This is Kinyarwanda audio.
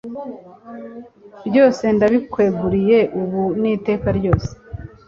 byose ndabikweguriye ubu n'iteka ryose